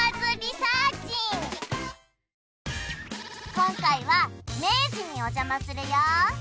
今回は明治にお邪魔するよ